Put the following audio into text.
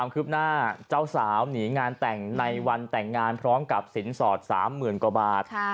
คืบหน้าเจ้าสาวหนีงานแต่งในวันแต่งงานพร้อมกับสินสอด๓๐๐๐กว่าบาท